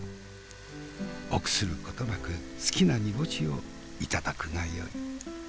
臆することなく好きな煮干しを頂くがよい。